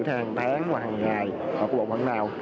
thế hàng tháng hoặc hàng ngày hoặc bộ phận nào